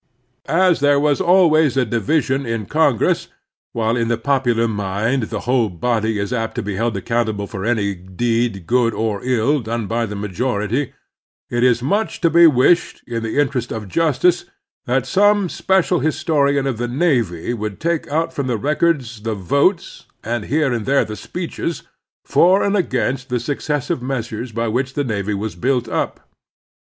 As there was always a division in Congress, while in the popular mind the whole body is apt to be held accotmtable for any deed, good or ill, done by the majority, it is much to be wished, in the interest of justice, that some special historian of the navy would take out from the records the votes, and here and there the speeches, for and against the successive measures by which the navy was built up.